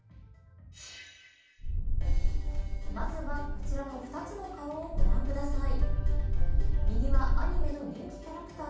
まずは、こちらの２つの顔をご覧ください。